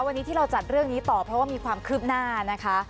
วันนี้ที่เราจัดเรื่องนี้ต่อเพราะว่ามีความคืบหน้านะคะ